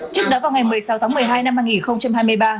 trước đó vào ngày một mươi sáu tháng một mươi hai năm hai nghìn hai mươi ba